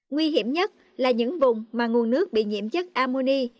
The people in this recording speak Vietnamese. nguy hiểm nhất là những vùng mà nguồn nước bị nhiễm chất amuni